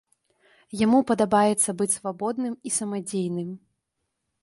Яму падабаецца быць свабодным і самадзейным.